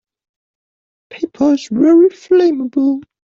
Paper is very flammable.